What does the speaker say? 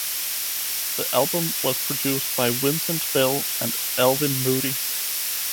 The album was produced by Vincent Bell and Alvin Moody.